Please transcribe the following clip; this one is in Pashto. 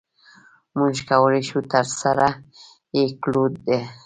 مونږ کولی شو ترسره يي کړو د